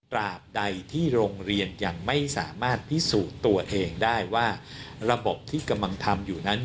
ใดที่โรงเรียนยังไม่สามารถพิสูจน์ตัวเองได้ว่าระบบที่กำลังทำอยู่นั้น